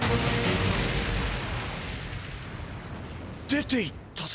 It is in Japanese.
出ていったぞ。